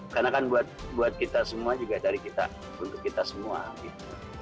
karena kan buat kita semua juga dari kita untuk kita semua gitu